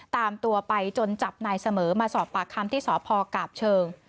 ตามตัวไปจนจับนายเสมอมาสอบปากคำที่สพกาบเชิง